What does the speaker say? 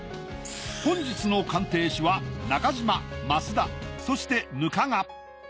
本日の鑑定士は中島増田そして額賀。